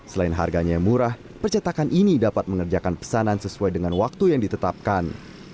selain harganya yang murah percetakan ini dapat mengerjakan pesanan sesuai dengan waktu yang ditetapkan